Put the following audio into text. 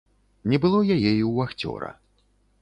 Не было яе і ў вахцёра.